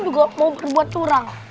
juga mau berbuat curang